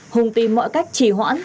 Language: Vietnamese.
hùng tìm mọi cách trì hoãn